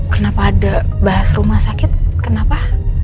kenapa ada bahas rumah sakit kenapa